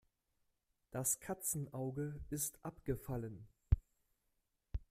Das Katzenauge ist abgefallen.